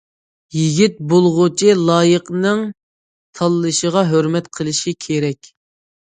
يىگىت بولغۇچى لايىقىنىڭ تاللىشىغا ھۆرمەت قىلىشى كېرەك.